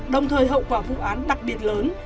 đồng thời hậu quả vụ án đặc biệt lớn